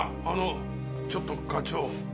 あのちょっと課長。